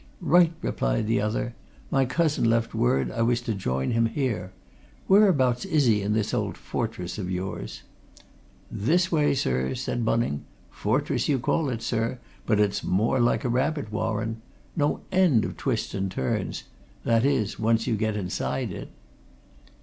"Right!" replied the other. "My cousin left word I was to join him here. Whereabouts is he in this old fortress of yours?" "This way, sir," said Bunning. "Fortress, you call it, sir, but it's more like a rabbit warren! No end of twists and turns that is, once you get inside it."